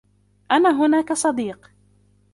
أنا هنا كصديق.